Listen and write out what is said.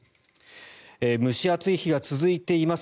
蒸し暑い日が続いています。